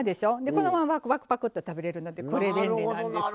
このままパクパクって食べれるので便利なんですよ。